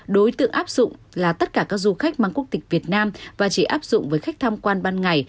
đối tượng áp dụng là tất cả các du khách mang quốc tịch việt nam và chỉ áp dụng với khách tham quan ban ngày